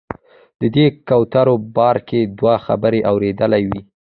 د دې کوترو باره کې دوه خبرې اورېدلې وې.